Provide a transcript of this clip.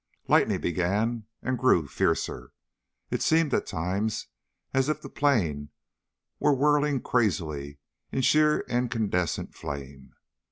Lightning began and grew fiercer. It seemed at times as if the plane were whirling crazily in sheer incandescent flame.